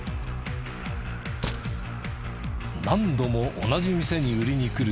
何度も同じ店に売りに来る